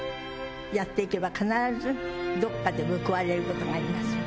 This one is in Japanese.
やっていけば必ず、どこかで報われることがあります。